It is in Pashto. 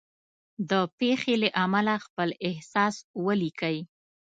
د پېښې له امله خپل احساس ولیکئ.